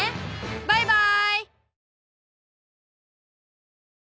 バイバイ！